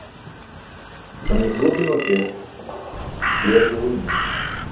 Amik bo gima ke, guyar duġuymi.